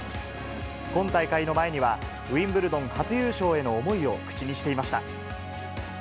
今大会の前には、ウィンブルドン初優勝への思いを口にしていました。